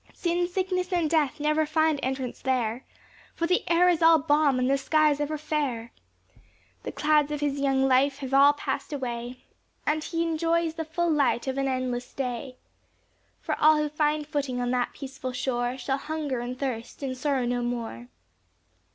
Sin, sickness, and death, never find entrance there, For the air is all balm, and the skies ever fair; The clouds of his young life have all passed away And he enjoys the full light of an endless day For all who find footing on that peaceful shore, Shall hunger, and thirst, and sorrow no more.